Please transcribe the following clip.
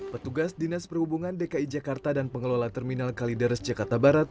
petugas dinas perhubungan dki jakarta dan pengelola terminal kalideres jakarta barat